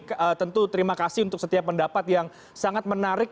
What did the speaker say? dan tentu terima kasih untuk setiap pendapat yang sangat menarik